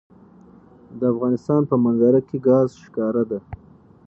د افغانستان په منظره کې ګاز ښکاره ده.